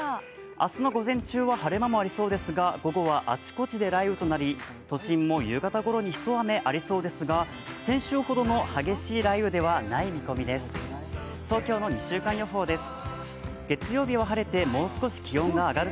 明日の午前中は晴れ間もありそうですが、午後はあちこちで雷雨となり都心も夕方頃に一雨ありそうですが先週ほどの激しい雷雨ではない見込みです。